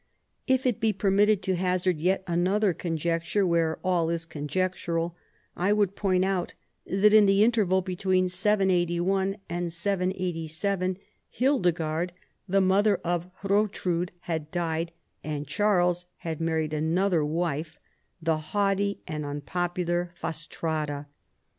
If it be permitted to hazard yet another conjecture, where all is conjectural, I would point out that in the interval between 781 and 787, Hildegard, the mother of Ilrotrud, had died, and Charles had married another wife, the haughty and unpopular Fastrada.